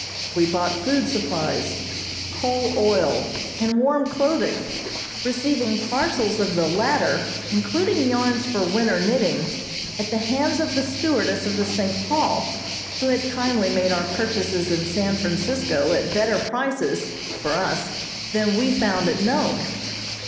We bought food supplies, coal oil, and warm clothing, receiving parcels of the latter, including yarns for winter knitting, at the hands of the stewardess of the "St. Paul," who had kindly made our purchases in San Francisco at better prices (for us) than we found at Nome.